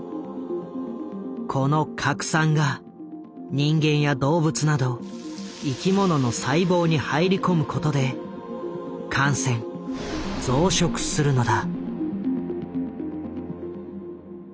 この核酸が人間や動物など生き物の細胞に入り込むことで感染増殖するのだ。